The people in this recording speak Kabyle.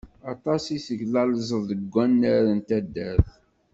Aṭas i teglalzeḍ deg wannar n taddart.